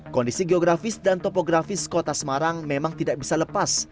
kondisi geografis dan topografis kota semarang memang tidak bisa lepas